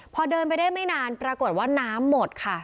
พอเดินไปได้ไม่นานปรากฏว่าน้ำหมดค่ะ